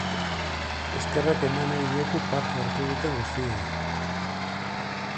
Eskerrak eman nahi diegu parte hartu duten guztiei.